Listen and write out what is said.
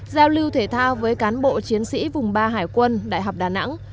giao lưu thể thao với cán bộ chiến sĩ vùng ba hải quân đại học đà nẵng